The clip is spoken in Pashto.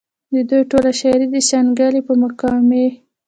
د دوي ټوله شاعري د شانګلې پۀ مقامي